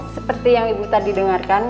seperti yang ibu tadi dengarkan